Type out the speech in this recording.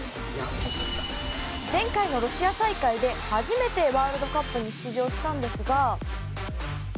前回のロシア大会で初めてワールドカップに出場したんですが。